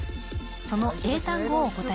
その英単語をお答え